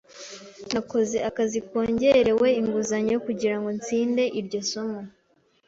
Nakoze akazi kongerewe inguzanyo kugirango ntsinde iryo somo.